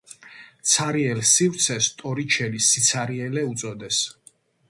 ცარიელ სივრცეს ტორიჩელის სიცარიელე უწოდეს